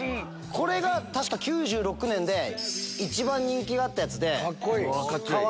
これが確か９６年で一番人気があったやつ。